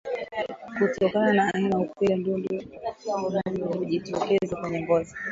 Kutokana na aina ya upele ndundu hujitokeza kwenye ngozi